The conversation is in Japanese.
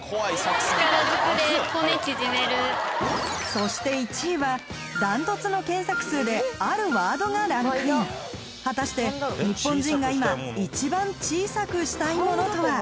そして１位は断トツの検索数であるワードがランクイン果たして日本人が今一番小さくしたいものとは？